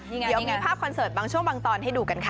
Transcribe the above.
เดี๋ยวมีภาพคอนเสิร์ตบางช่วงบางตอนให้ดูกันค่ะ